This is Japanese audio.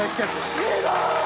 すごい！